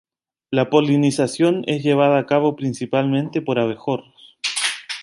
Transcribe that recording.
La polinización es llevada a cabo principalmente por abejorros.